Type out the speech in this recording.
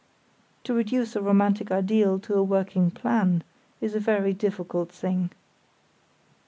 To reduce a romantic ideal to a working plan is a very difficult thing.